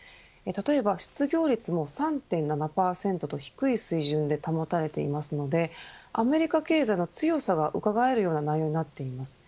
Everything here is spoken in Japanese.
例えば失業率も３．７％と低い水準で保たれているのでアメリカ経済の強さがうかがえる内容になっています。